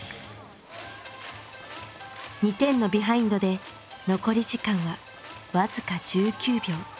２点のビハインドで残り時間は僅か１９秒。